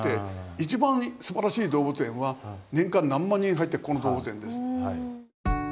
一番すばらしい動物園は年間何万人入ってるここの動物園です。